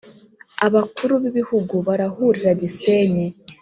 Abakuru b ‘ibihugu barahurira Gisenyi .